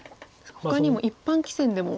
ほかにも一般棋戦でも。